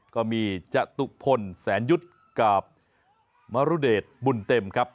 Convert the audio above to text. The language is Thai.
ก็มีจตุพลแสนยุทธ์กับมรุเดชบุญเต็มครับ